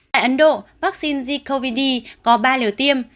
tại ấn độ vắc xin z cov d có ba liều tiêm